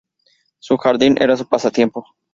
Su jardín era su pasatiempo.